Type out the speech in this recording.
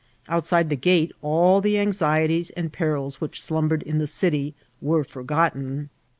Outside the gate all the anxieties and perils which slumbered in the city were forgotten.